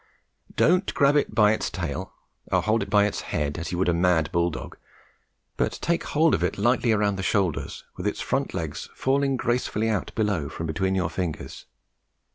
Don't grab it by its tail, or hold it by its head as you would a mad bull dog; but take hold of it lightly round the shoulders, with its front legs falling gracefully out below from between your fingers.